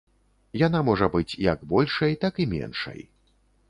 Яна можа быць як большай, так і меншай.